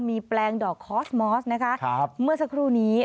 มีแปลงดอกคอสมอสนะคะเมื่อสักครู่นี้